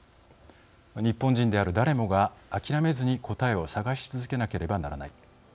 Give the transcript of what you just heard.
日本人である誰もが諦めずに答えを探し続けなければならない。